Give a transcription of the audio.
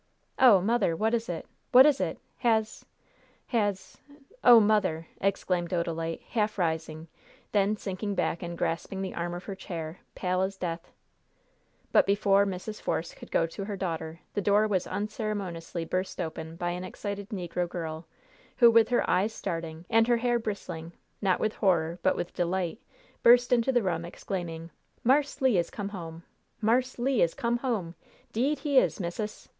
"Oh, mother! what is it? What is it? Has has Oh, mother!" exclaimed Odalite, half rising, then sinking back and grasping the arm of her chair, pale as death. But before Mrs. Force could go to her daughter, the door was unceremoniously burst open by an excited negro girl, who, with her eyes starting, and her hair bristling, not with horror, but with delight, burst into the room, exclaiming: "Marse Le is come home! Marse Le is come home! 'Deed he is, missus!